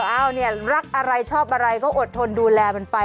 เอ้ารักอะไรชอบอะไรก็อดทนดูแลมันไป